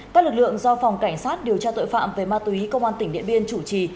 các lực lượng do phòng cảnh sát điều tra tội phạm về ma túy công an tỉnh điện biên chủ trì